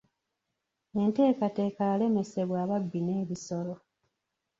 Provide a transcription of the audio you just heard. Enteekateeka yalemesebwa ababbi n'ebisolo.